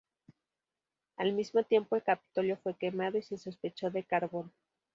Al mismo tiempo el Capitolio fue quemado y se sospechó de Carbón.